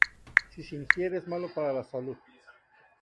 Si se ingiere es malo para la salud.